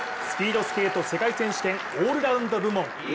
スピードスケート世界選手権オールラウンド部門。